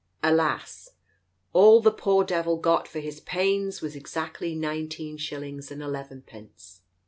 Alas, all the poor devil got for his pains was exactly nineteen shil lings and eleven pence.